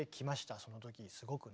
そのときすごくね。